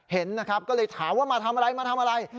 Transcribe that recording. เห็นนะครับก็เลยถามว่ามาทำอะไรมาทำอะไร